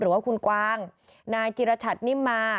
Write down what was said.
หรือว่าคุณกวางนายจิรชัตนิมมา